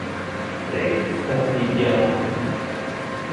你不必憂